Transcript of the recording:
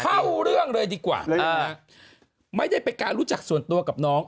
เข้าเรื่องเลยดีกว่าไม่ได้เป็นการรู้จักส่วนตัวกับน้อง